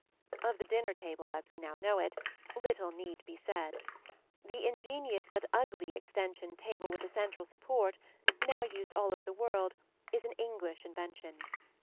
Of the dinner table, as we now know it, little need be said. The ingenious but ugly extension table with a central support, now used all over the world, is an English invention.